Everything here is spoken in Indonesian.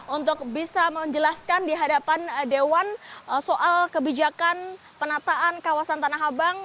untuk bisa menjelaskan di hadapan dewan soal kebijakan penataan kawasan tanah abang